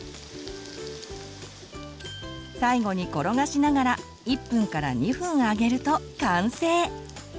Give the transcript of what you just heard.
最後に転がしながら１２分揚げると完成！